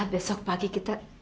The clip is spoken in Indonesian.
isah besok pagi kita